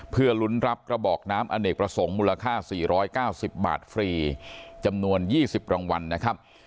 เพื่อลุ้นรับกระบอกน้ำอเนกประสงค์มูลค่า๔๙๐บาทฟรีจำนวน๒๐รางวัลนะครับ